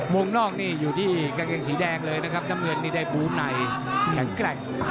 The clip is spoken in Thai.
งนอกนี่อยู่ที่กางเกงสีแดงเลยนะครับน้ำเงินนี่ได้บูธในแข็งแกร่ง